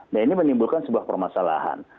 nah ini menimbulkan sebuah permasalahan